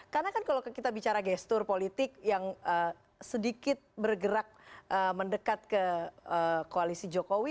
karena kan kalau kita bicara gestur politik yang sedikit bergerak mendekat ke koalisi jokowi